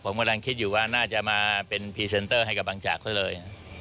ผมกำลังคิดอยู่ว่าน่าจะมาเป็นพรีเซนเตอร์ให้กับบางจากเขาเลย